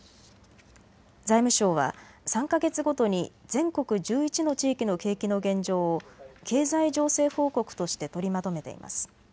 財務省は３か月ごとに全国１１の地域の景気の現状を経済情勢報告として取りまとめています。